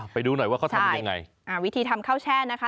ไปดูหน่อยว่าเขาทำยังไงอ่าวิธีทำข้าวแช่นะคะ